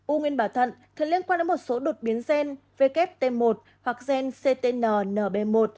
u nguyên bà thận thường liên quan đến một số đột biến gen wt một hoặc gen ctn nb một